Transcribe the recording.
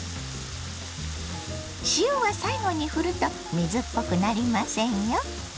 塩は最後にふると水っぽくなりませんよ。